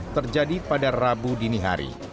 terjadi pada rabu dini hari